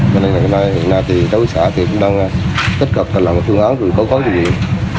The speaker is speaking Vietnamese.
nên là hiện nay thì cháu xã thì cũng đang tích cực làm phương án rồi báo tố huyện